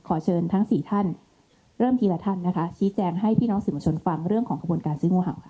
ขอเชิญทั้งสี่ท่านเริ่มทีละท่านนะคะชี้แจงให้พี่น้องสื่อมวลชนฟังเรื่องของกระบวนการซื้องูเห่าค่ะ